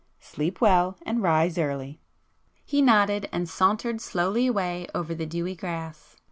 Sleep well, and rise early." He nodded, and sauntered slowly away over the dewy grass.